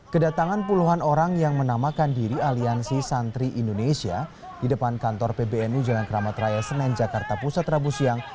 kedatangan puluhan orang yang menamakan diri aliansi santri indonesia di depan kantor pbnu jalan keramat raya senen jakarta pusat rabu siang